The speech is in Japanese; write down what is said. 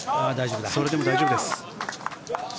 それでも大丈夫です。